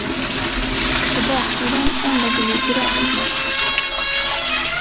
På baksidan anlägger vi gräsmatta.